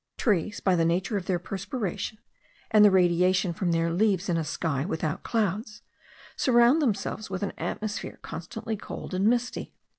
Trees, by the nature of their perspiration, and the radiation from their leaves in a sky without clouds, surround themselves with an atmosphere constantly cold and misty.